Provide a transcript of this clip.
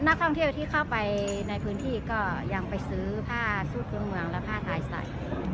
นักท่องเที่ยวที่เข้าไปในพื้นที่ก็ยังไปซื้อผ้าสู้พื้นเมืองและผ้าไทยใส่